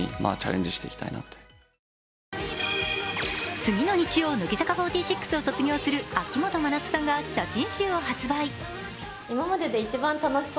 次の日曜、乃木坂４６を卒業する秋元真夏さんが写真集を発売。